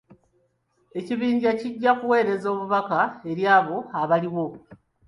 Ekibinja kijja kuweereza obubaka eri abo abaliwo.